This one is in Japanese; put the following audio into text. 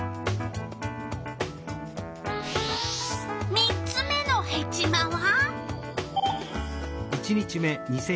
３つ目のヘチマは？